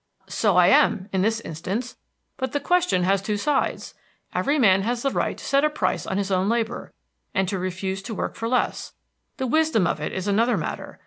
"So I am, in this instance; but the question has two sides. Every man has the right to set a price on his own labor, and to refuse to work for less; the wisdom of it is another matter.